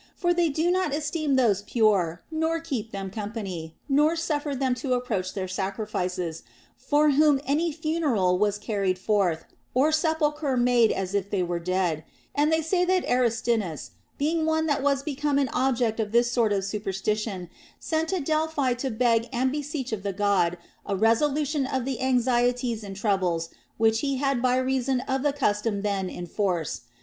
For they do not esteem those pure nor keep them company nor suffer them to approach their sacrifices, for whom any funeral was carried forth or sepulchre made as if they were dead ; and they say that Aristinus, being one that was become an object of this sort of superstition, sent to Delphi to beg and beseech of the God a resolution of the anxieties and troubles which he had by reason of the custom then in force.